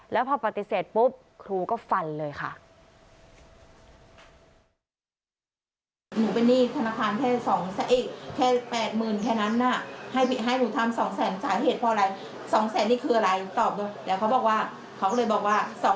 แล้วพอปฏิเสธปุ๊บครูก็ฟันเลยค่ะ